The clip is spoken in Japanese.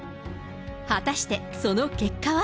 果たしてその結果は。